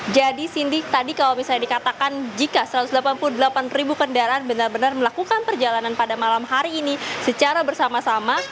jadi sindik tadi kalau misalnya dikatakan jika satu ratus delapan puluh delapan kendaraan benar benar melakukan perjalanan pada malam hari ini secara bersama sama